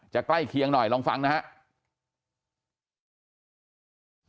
ใกล้เคียงหน่อยลองฟังนะครับ